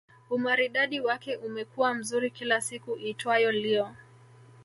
Umaridadi wake umekuwa mzuri kila siku iitwayo Leo